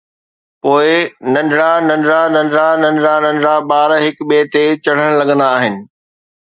پوءِ ننڍڙا ننڍڙا ننڍڙا ننڍڙا ننڍڙا ٻار هڪ ٻئي تي چڙهڻ لڳندا آهن.